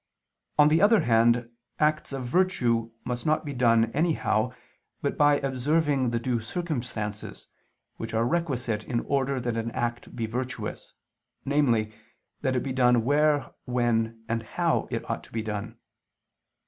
On the other hand, acts of virtue must not be done anyhow, but by observing the due circumstances, which are requisite in order that an act be virtuous; namely, that it be done where, when, and how it ought to be done.